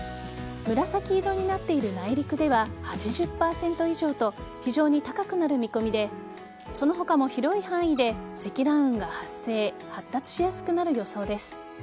紫色になっている内陸では８０％以上と非常に高くなる見込みでその他も広い範囲で積乱雲が発生・発達しやすくなる予想です。